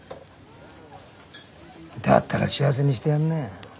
だったら幸せにしてやんなよ。